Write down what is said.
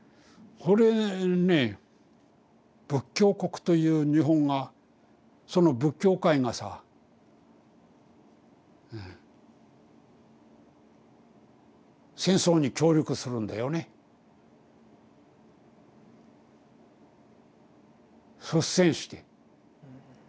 それね仏教国という日本がその仏教界がさ戦争に協力するんだよね率先して。